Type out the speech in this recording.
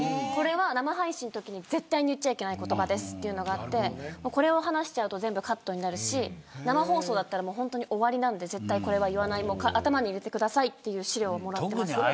これは生配信のときに絶対に言っちゃいけない言葉ですっていうのがあってこれを話しちゃうと全部カットになるし生放送だったらもう本当に終わりなんで絶対これは言わない頭に入れてくださいっていう資料はもらってます。